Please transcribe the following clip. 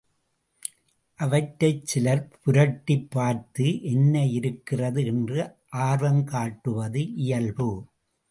அவற்றைச் சிலர் புரட்டிப் பார்த்து என்ன இருக்கிறது என்று ஆர்வம் காட்டுவது இயல்பு.